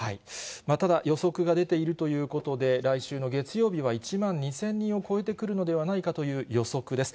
ただ、予測が出ているということで、来週の月曜日は１万２０００人を超えてくるのではないかという予測です。